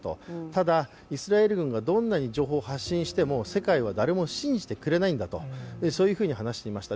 ただイスラエル軍がどんなに情報を発信しても世界は誰も信じてくれないんだとそういうふうに話していました。